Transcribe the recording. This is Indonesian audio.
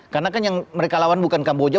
karena kan yang mereka lawan bukan kamboja